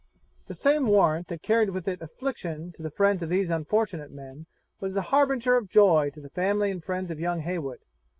The same warrant that carried with it affliction to the friends of these unfortunate men, was the harbinger of joy to the family and friends of young Heywood.